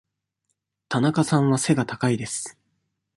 田中さんは背が高いです。